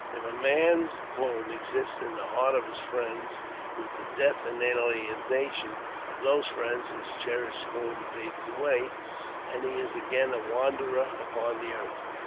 If a man's home exists in the heart of his friends, with the death and alienation of those friends his cherished home fades away, and he is again a wanderer upon the earth.